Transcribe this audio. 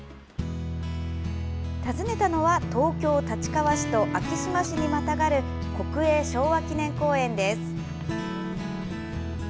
訪ねたのは東京・立川市と昭島市にまたがる国営昭和記念公園です。